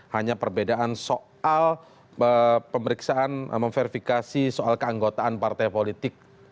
hanya perbedaan soal pemeriksaan memverifikasi soal keanggotaan partai politik